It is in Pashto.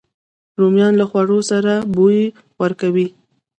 رومیان له خوړو سره بوی ورکوي